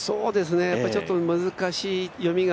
やっぱりちょっと難しい読みが